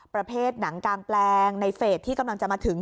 ประเภทหนังกางแปลงในเฟสที่กำลังจะมาถึง